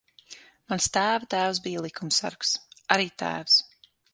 Mans tēva tēvs bija likumsargs. Arī tēvs.